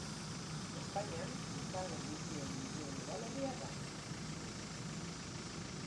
Espainian biztanle gutxien dituen udalerria da.